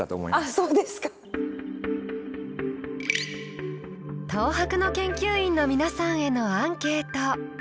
あそうですか。東博の研究員の皆さんへのアンケート。